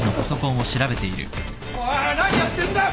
おい何やってんだよ